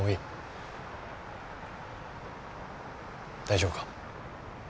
葵大丈夫か？